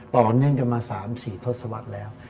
ตอนนี้ก็มา๓๔ทศวรรษแล้ว